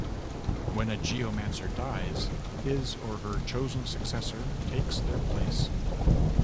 When a Geomancer dies, his or her chosen successor takes their place.